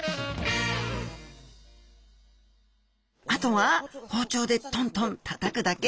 あとは包丁でトントン叩くだけ！